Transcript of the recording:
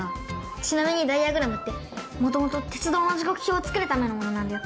ちなみにダイヤグラムって元々鉄道の時刻表を作るためのものなんだよ。